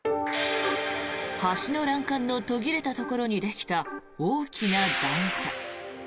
橋の欄干の途切れたところにできた大きな段差。